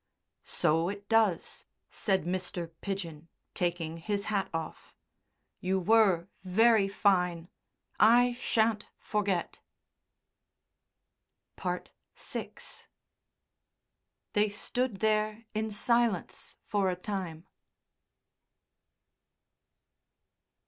"So it does," said Mr. Pidgen, taking his hat off, "you were very fine, I shan't forget." VI They stood there in silence for a time....